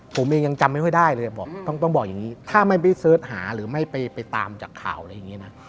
ผมเองยังจำไม่ค่อยได้เลยบอกต้องบอกอย่างนี้ถ้าไม่ไปเสิร์ชหาหรือไม่ไปตามจากข่าวอะไรอย่างนี้นะ